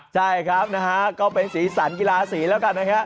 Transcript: ใช่ครับนะฮะก็เป็นศีลสรรคีลาอ่ะนะฮะ